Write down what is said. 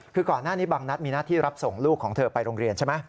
คือก่อนหน้านี้บางนัดมีหน้าที่รับส่งลูกของเธอไปโรงเรียนใช่ไหม